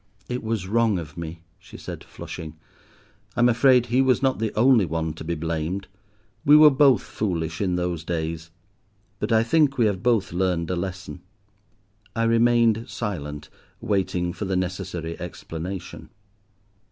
"It was wrong of me," she said, flushing. "I'm afraid he was not the only one to be blamed; we were both foolish in those days, but I think we have both learned a lesson." I remained silent, waiting for the necessary explanation.